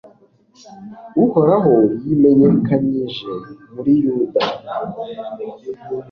Uhoraho yimenyekanyije muri Yuda